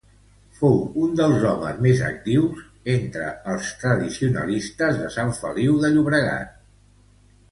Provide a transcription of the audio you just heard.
Fou un dels homes més actius entre els tradicionalistes de Sant Feliu de Llobregat.